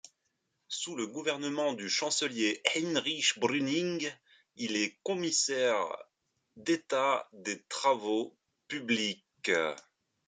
Sous le gouvernement du chancelier Heinrich Brüning, il est commissaire d'État des Travaux publics.